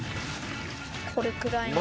これくらいの。